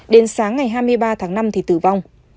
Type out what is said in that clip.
đến sáng ngày hai mươi ba tháng năm thì tử vong